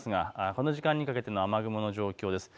この時間にかけての雨雲の状況です。